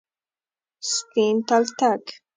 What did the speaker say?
سپین تلتک،